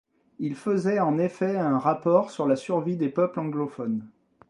Il faisait en effet un rapport sur la survie des peuples anglophones.